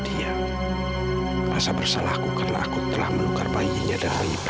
jadi terserah gue dong kalau gue mau ngilangin